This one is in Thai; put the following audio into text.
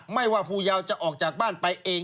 ไม่ว่าภูเยาวจะออกจากบ้านไปเอง